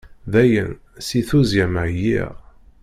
Dayen, si tuzzya-m ɛyiɣ.